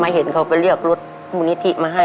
เห็นเขาก็เรียกรถมูลนิธิมาให้